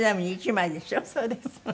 そうです。